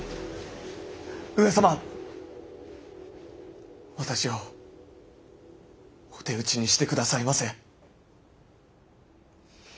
上様私をお手討ちにして下さいませ。